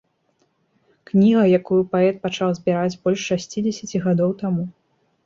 Кніга, якую паэт пачаў збіраць больш шасцідзесяці гадоў таму.